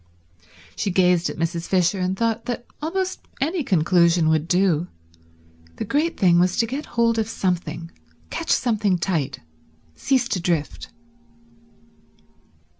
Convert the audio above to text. She gazed at Mrs. Fisher, and thought that almost any conclusion would do; the great thing was to get hold of something, catch something tight, cease to drift.